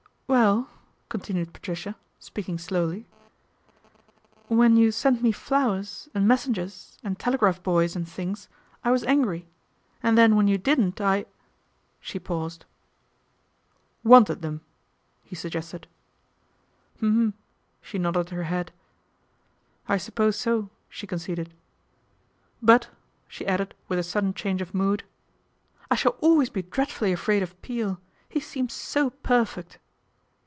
" Well !" continued Patricia, speaking slowly, 14 when you sent me flowers and messengers and telegraph boys and things I was angry, and then when you didn't I " she paused. " Wanted them," he suggested. " U m m m !' she nodded her head. " I suppose so," she conceded. " But," she added with a sudden change of mood, " I shall always PATRICIA BRENT, SPINSTER be dreadfully afraid of Peel. He seems so per feet."